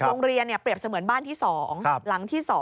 โรงเรียนเปรียบเสมือนบ้านที่๒หลังที่๒